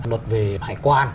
luật về hải quan